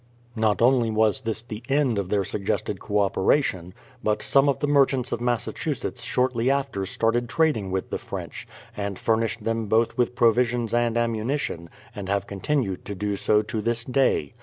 Not only was this the end of their suggested co opera tion, but some of the merchants of Massachusetts shortly after started trading with the French, and furnished them both with provisions and ammunition, and have continued to do so to this day.